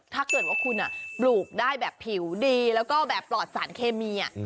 ถ้าเกิดว่าคุณปลูกได้แบบผิวดีแล้วก็แบบปลอดสารเคมี